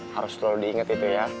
harus selalu diingat itu ya